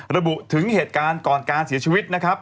ระบุถึงเหตุการณ์ก่อนการเสียชีวิตนะครับ